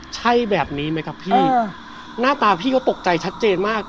ใช่แบบนี้ไหมครับพี่หน้าตาพี่เขาตกใจชัดเจนมาก